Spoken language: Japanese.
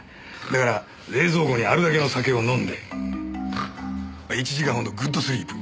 だから冷蔵庫にあるだけの酒を飲んで１時間ほどグッドスリープ。